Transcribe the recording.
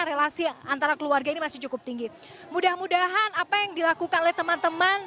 relasi antara keluarga ini masih cukup tinggi mudah mudahan apa yang dilakukan oleh teman teman